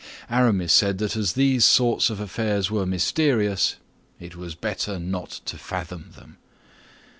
Aramis said that as these sorts of affairs were mysterious, it was better not to fathom them.